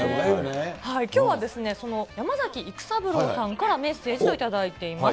きょうはその山崎育三郎さんからメッセージを頂いています。